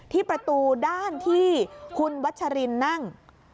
ที่ประตูด้านที่คุณวัชรินนั่ง